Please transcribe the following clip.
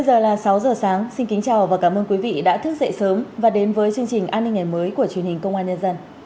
một mươi giờ là sáu giờ sáng xin kính chào và cảm ơn quý vị đã thức dậy sớm và đến với chương trình an ninh ngày mới của truyền hình công an nhân dân